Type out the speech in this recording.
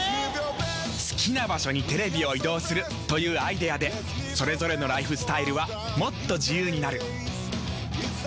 好きな場所にテレビを移動するというアイデアでそれぞれのライフスタイルはもっと自由になる。